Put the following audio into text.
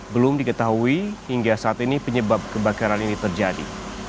belum diketahui hingga saat ini penyebab kebakaran ini terjadi